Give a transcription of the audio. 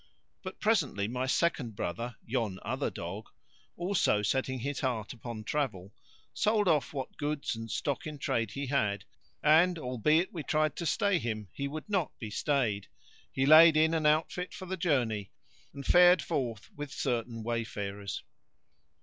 But presently my second brother (yon other dog), also setting his heart upon travel, sold off what goods and stock in trade he had, and albeit we tried to stay him he would not be stayed: he laid in an outfit for the journey and fared forth with certain wayfarers.